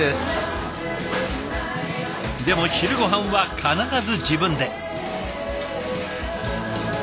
でも昼ごはんは必ず自分で。